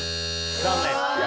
残念。